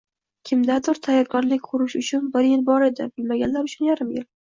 Kimdadir tayyorgarlik ko‘rish uchun bir yil bor edi, bilmaganlar uchun — yarim yil.